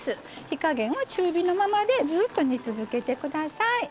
火加減は中火のままでずっと煮続けてください。